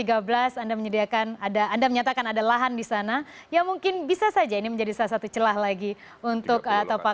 anda menyediakan ada anda menyatakan ada lahan di sana ya mungkin bisa saja ini menjadi salah satu celah lagi untuk